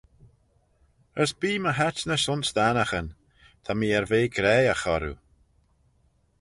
As bee my haitnys ayns dt'annaghyn: ta mee er ve graihagh orroo.